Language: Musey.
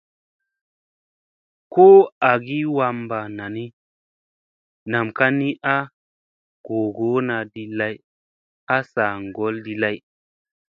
Ko agi wamɓa nani, nam ka ni a googona di lay a saa ŋgolla di lay.